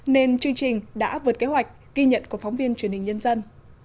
nên chương trình đã vượt kế hoạch ghi nhận của phóng viên truyền hình nhân dân